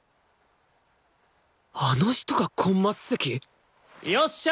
あの人がコンマス席！？よっしゃ！